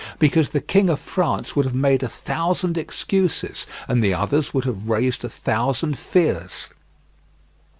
Because the King of France would have made a thousand excuses, and the others would have raised a thousand fears.